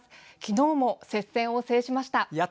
昨日も接戦を制しました。